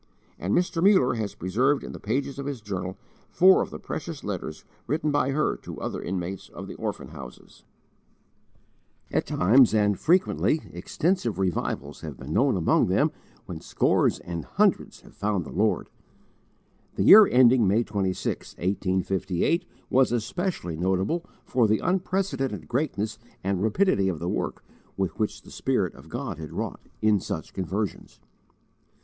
And Mr. Muller has preserved in the pages of his Journal four of the precious letters written by her to other inmates of the orphan houses.* * Narrative, III. 253 257. At times, and frequently, extensive revivals have been known among them when scores and hundreds have found the Lord. The year ending May 26, 1858 was especially notable for the unprecedented greatness and rapidity of the work which the Spirit of God had wrought, in such conversions.